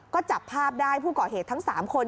ก็จับภาพได้ผู้ก่อเหตุทั้ง๓คน